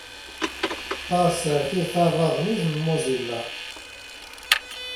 Tasertit tabaḍnit n Mozilla.